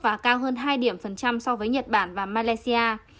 và cao hơn hai điểm phần trăm so với nhật bản và malaysia